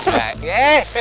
nih pokoknya niat saya